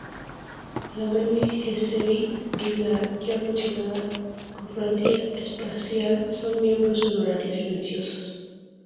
Las Bene Gesserit y la ya mencionada Cofradía Espacial son miembros honorarios silenciosos.